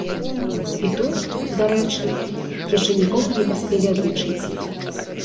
І тут, дарэчы, яшчэ нікога не паспелі адлічыць.